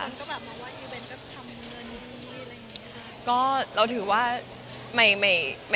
คนก็แบบมายว่าอีเวนต์ก็ทำเงินนี้อะไรอย่างนี้ค่ะ